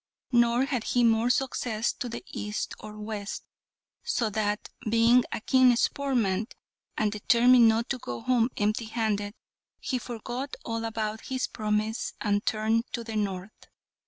Nor had he more success to the east or west, so that, being a keen sportsman, and determined not to go home empty handed, he forgot all about his promise, and turned to the north.